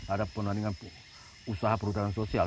ada penandingan usaha perhutanan sosial